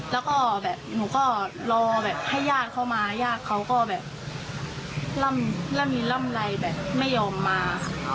แล้วก็แบบหนูก็รอแบบให้ญาติเข้ามาญาติเขาก็แบบล่ำมีล่ำไรแบบไม่ยอมมา